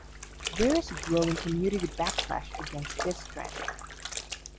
There is a growing community backlash against this trend.